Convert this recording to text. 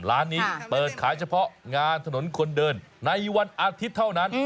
ร้านนี้เปิดขายเฉพาะงานถนนคนเดินในวันอาทิตย์เท่านั้น